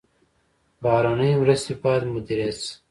بهرنۍ مرستې باید مدیریت شي